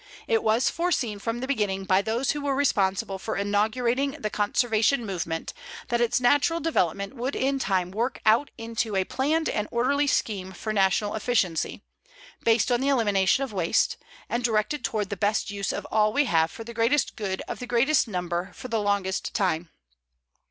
It was foreseen from the beginning by those who were responsible for inaugurating the Conservation movement that its natural development would in time work out into a planned and orderly scheme for national efficiency, based on the elimination of waste, and directed toward the best use of all we have for the greatest good of the greatest number for the longest time.